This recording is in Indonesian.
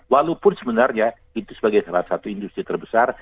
walaupun sebenarnya itu sebagai salah satu industri terbesar